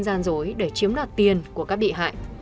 gian dối để chiếm đoạt tiền của các bị hại